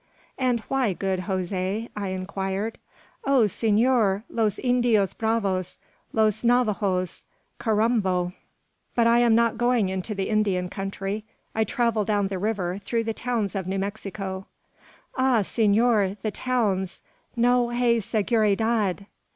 "And why, good Jose?" I inquired. "Oh, senor, los Indios bravos! los Navajoes! carambo!" "But I am not going into the Indian country. I travel down the river, through the towns of New Mexico." "Ah! senor! the towns! no hay seguridad.